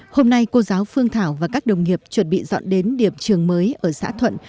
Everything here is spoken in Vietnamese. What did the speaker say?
hôm nay cô giáo phương thảo và các đồng nghiệp chuẩn bị dọn đến điểm trường mới ở xã thuận